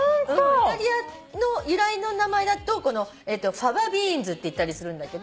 イタリアの由来の名前だとファバビーンズって言ったりするんだけど。